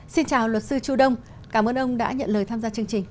xin chào luật sư chu đông cảm ơn ông đã nhận lời tham gia chương trình